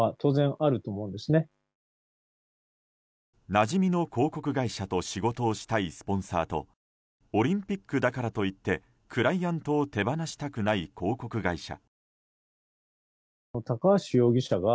なじみの広告会社と仕事をしたいスポンサーとオリンピックだからといってクライアントを手放したくない広告会社。